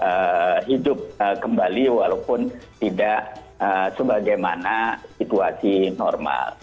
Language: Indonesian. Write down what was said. jadi hidup kembali walaupun tidak sebagaimana situasi normal